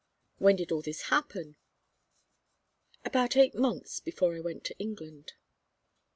When did all this happen?" "About eight months before I went to England."